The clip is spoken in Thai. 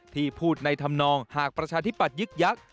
ที่พูดในธรรมนองหากประชาธิปัตยึกยักษ์